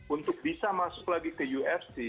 untuk bisa masuk lagi ke ufc